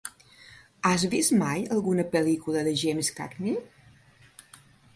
Has vist mai alguna pel·lícula de James Cagney?